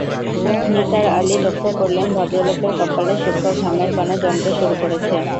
নিসার আলি লক্ষ করলেন, ভদ্রলোকের কপালে সূক্ষ্ম ঘামের কণা জমতে শুরু করেছে।